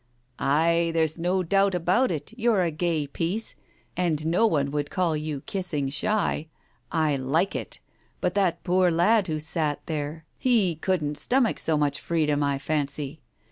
"Ay, there's no doubt about it, you're a gay piece, and no one could call you kissing shy. 1 like it. But that poor lad who sat there — he couldn't stomach so much freedom, I fancy.